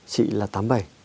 chị là tám mươi bảy